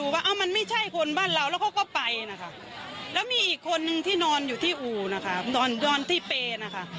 แล้วมีอีกคนนึงที่นอนอยู่ที่อู๋นะค่ะนอนที่เปนะค่ะ